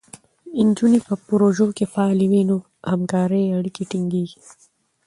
نجونې په پروژو کې فعالې وي، نو همکارۍ اړیکې ټینګېږي.